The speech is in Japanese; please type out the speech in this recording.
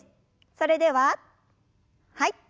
それでははい。